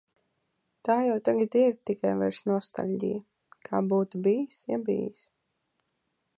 Tā jau tagad ir tikai vairs nostalģija, kā būtu bijis, ja bijis...